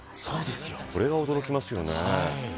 これは驚きますよね。